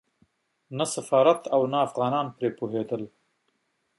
نه سفارت او نه افغانان پرې پوهېدل.